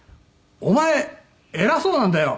「お前偉そうなんだよ」